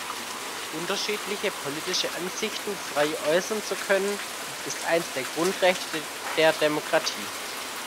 Unterschiedliche politische Ansichten frei äußern zu können, ist eines der Grundrechte der Demokratie.